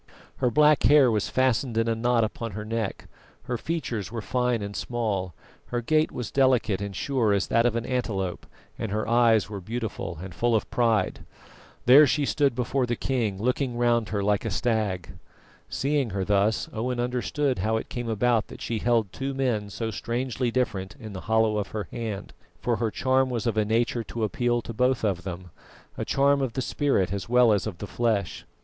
Her black hair was fastened in a knot upon her neck, her features were fine and small, her gait was delicate and sure as that of an antelope, and her eyes were beautiful and full of pride. There she stood before the king, looking round her like a stag. Seeing her thus, Owen understood how it came about that she held two men so strangely different in the hollow of her hand, for her charm was of a nature to appeal to both of them a charm of the spirit as well as of the flesh.